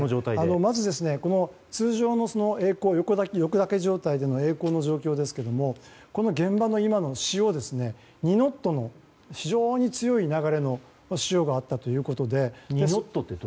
まず通常の横抱き状態でのえい航の状態ですが現場の今の潮は２ノットの非常に強い流れの潮があったということで。